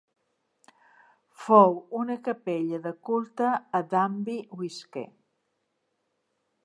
Fou una capella de culte a Danby Wiske.